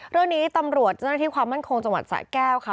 เรื่องนี้ตำรวจเจ้าหน้าที่ความมั่นคงจังหวัดสะแก้วค่ะ